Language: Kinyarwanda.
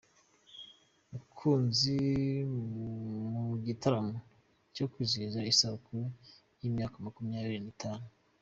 Mukunzi mu gitaramo cyo kwizihiza isabukuru y’imyaka makumyabiri nitanu